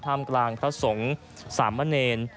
ท่ามกลางพระสงฆ์สามเมนเอน